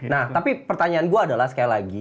nah tapi pertanyaan gue adalah sekali lagi